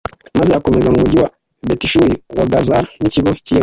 maze akomeza n'umugi wa betishuri, uwa gazara, n'ikigo cy'i yeruzalemu